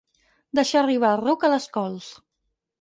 Deixar arribar el ruc a les cols.